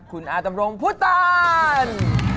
คนเอาจะโมงพูดตอน